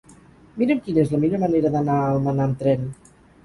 Mira'm quina és la millor manera d'anar a Almenar amb tren.